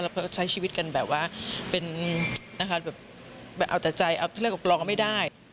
แล้วก็ใช้ชีวิตกันแบบว่าเป็นแบบเอาแต่ใจเอาที่เรียกว่าร้องไม่ได้